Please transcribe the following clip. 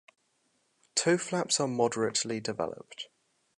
Toe flaps are moderately developed.